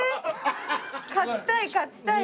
勝ちたい勝ちたい。